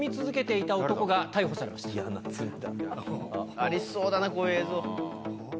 ありそうだなこういう映像。